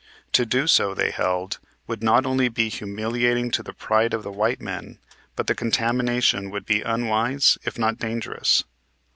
To do so, they held, would not only be humiliating to the pride of the white men, but the contamination would be unwise if not dangerous.